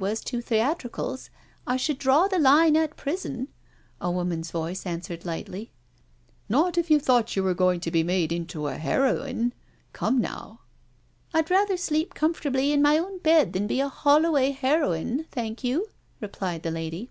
was to theatricals,* I should draw the line at prison," a woman's voice answered lightly. " Not if you thought you were going to be made into a heroine — come now?" "I'd rather sleep comfortably in my own bed than be a Holloway heroine, thank you," replied the lady.